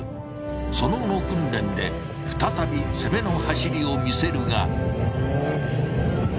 その後の訓練で再び攻めの走りを見せるが。